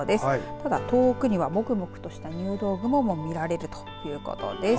ただ、遠くにはもくもくとした入道雲も見られるということです。